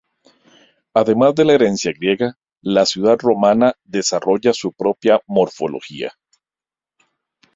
Además de la herencia griega, la ciudad romana desarrolla su propia morfología.